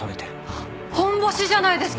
ホンボシじゃないですか！